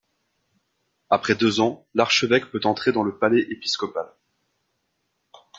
Après deux ans, l'archevêque peut entrer dans le palais épiscopal.